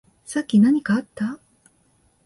さっき何かあった？